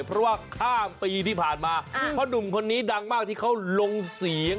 เพราะว่าข้ามปีที่ผ่านมาพ่อหนุ่มคนนี้ดังมากที่เขาลงเสียง